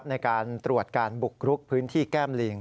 ในการตรวจการบุกรุกพื้นที่แก้มลิง